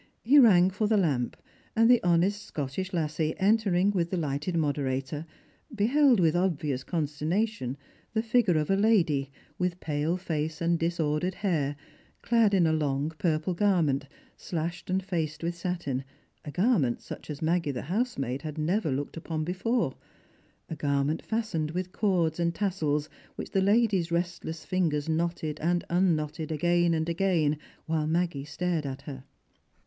He rang for the lamp, and the honest Scottish lassie, entering with the lighted moderator, beheld with obvious consternation the figure of a lady, with pale face and disordered hair, clad in a long purple garment, slashed and faced with satin — a garment such as Maggie the housemaid had never looked upon before, a gar ment fastened with cords and tassels, which the lady's restless fingers knotted and unknotted again and again while Maggie stared at her.